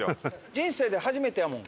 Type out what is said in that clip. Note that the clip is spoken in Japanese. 人生で初めてやもん。